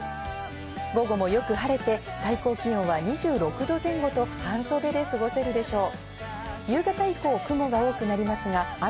午後もよく晴れて最高気温は２６度前後と半袖で過ごせるでしょう。